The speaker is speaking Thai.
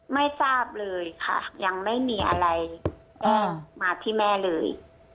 ไม่ทราบเลยค่ะยังไม่มีอะไรแจ้งมาที่แม่เลย